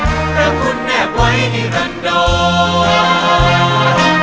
พระคุณแนบไว้ในอันดอก